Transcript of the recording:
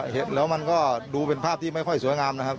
เห็นแล้วมันก็ดูเป็นภาพที่ไม่ค่อยสวยงามนะครับ